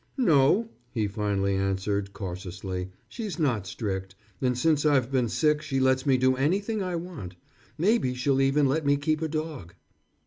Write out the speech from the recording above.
"No," he finally answered cautiously, "she's not strict, and since I've been sick she lets me do anything I want. Maybe she'll even let me keep a dog."